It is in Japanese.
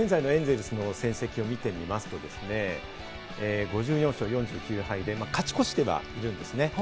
現在のエンゼルスの戦績を見てみますと、５４勝４９敗で勝ち越してはいるんですね。